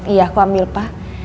iya aku ambil pak